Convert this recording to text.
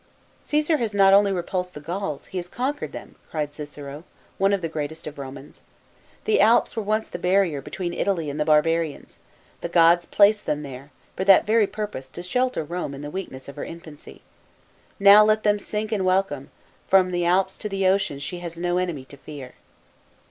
" Caesar has not only repulsed the Gauls, he has conquered them," cried Cicero, one of the greatest of Romans. "The Alps were once the barrier be tween Italy and the barbarians ; the gods placed them there, for that very purpose to shelter Rome in the weakness of her infancy. Now let them sink and welcome ; from the Alps to the ocean she has no enemy to fear."